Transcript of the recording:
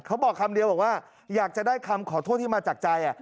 เขาบอกคำเดียวบอกว่าอยากจะได้คำขอโทษที่มาจากใจ